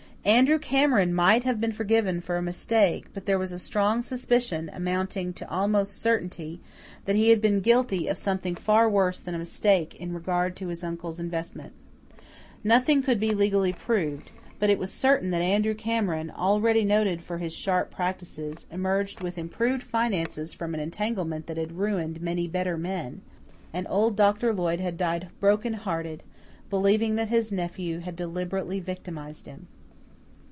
Andrew Cameron might have been forgiven for a mistake; but there was a strong suspicion, amounting to almost certainty, that he had been guilty of something far worse than a mistake in regard to his uncle's investment. Nothing could be legally proved; but it was certain that Andrew Cameron, already noted for his "sharp practices," emerged with improved finances from an entanglement that had ruined many better men; and old Doctor Lloyd had died brokenhearted, believing that his nephew had deliberately victimized him.